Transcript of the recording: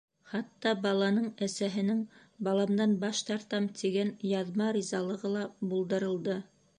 Хатта баланың әсәһенең «баламдан баш тартам» тигән яҙма ризалығы ла булдырылды.